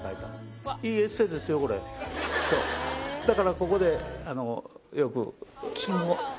だからここでよく。